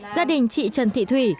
gia đình chị trần thị thủy